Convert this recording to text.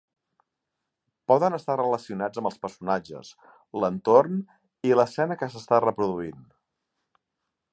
Poden estar relacionats amb els personatges, l"entorn i l"escena que s"està reproduint.